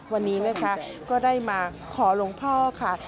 วันนี้นะคะก็ได้มาขอหลวงพ่อค่ะ